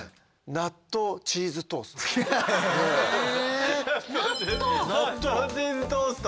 納豆チーズトースト。